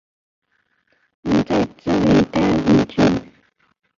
能在这里待多久